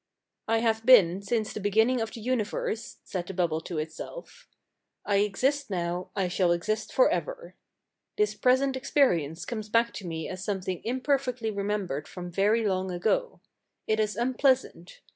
"I have been since the beginning of the universe," said the bubble to itself. "I exist now, I shall exist for ever. This present experience comes back to me as something imperfectly remembered from very long ago. It is unpleasant.